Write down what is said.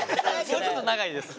もうちょっと長いです。